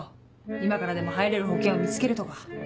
今からでも入れる保険を見つけるとか。